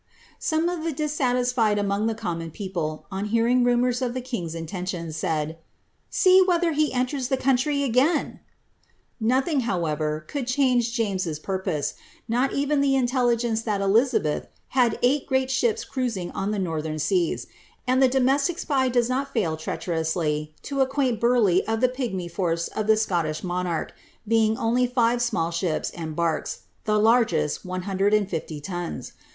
Some of the dissatisfied among the common people, on hearing rumours of the king's intentions, said, ^ See whether he enters the country again !" Nothing, however, could change James's purpose, not even the intelligence timt Elizabeth had eight great ships cruising on the northern seas ; and the domestic spy does not fail treacherously to acquaint Burleigh of the Cmy force of the Scottish monsrch, being only Bve small ships and ks, the largest 150 tons.